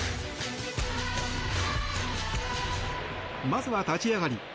まずは立ち上がり。